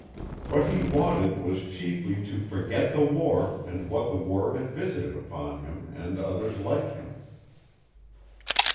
What he wanted was chiefly to forget the war and what the war had visited upon him and others like him.